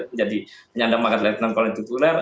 menjadi penyandang pangkat latinan kolonel tituler